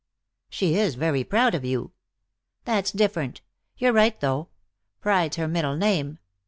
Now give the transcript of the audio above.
"She is very proud of you." "That's different. You're right, though. Pride's her middle name.